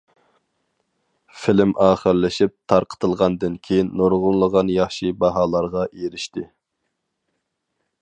فىلىم ئاخىرلىشىپ تارقىتىلغاندىن كېيىن نۇرغۇنلىغان ياخشى باھالارغا ئېرىشتى.